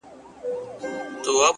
o دادی ټکنده غرمه ورباندي راغله،